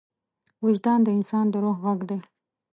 وجدان د انسان د روح غږ دی.